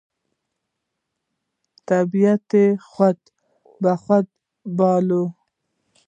طبیعت یې خود بخوده باله،